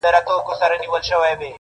زما انارګلي زما ښایستې خورکۍ-